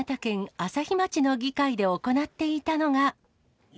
朝日町の議会で行っていたのが。